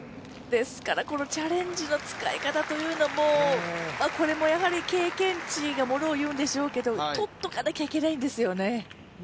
ですから、チャレンジの使い方というのも、これも経験値が物をいうんでしょうけど、とっておかなきゃいけないんですよね。